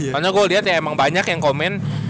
karena gue liat ya emang banyak yang komen